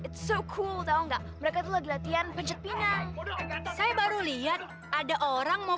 tahu nggak mereka lagi latihan pencet pinang saya baru lihat ada orang mau